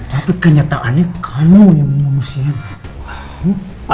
tapi kenyataannya kamu yang membunuh sienna